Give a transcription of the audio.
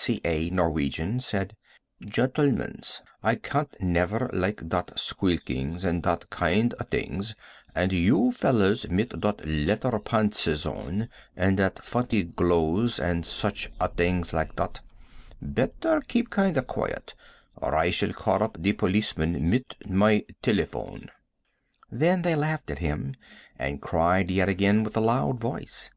C.A. Norwegian said: "Gentlemans, I kain't neffer like dot squealinks and dot kaind of a tings, and you fellers mit dot ledder pantses on and dot funny glose and such a tings like dot, better keep kaind of quiet, or I shall call up the policemen mit my delephone." Then they laughed at him, and cried yet again with a loud voice.